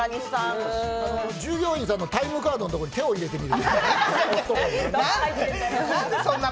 従業員さんのタイムカードのところに手を入れてみる。